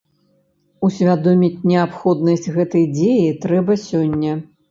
Усвядоміць неабходнасць гэтай дзеі трэба сёння.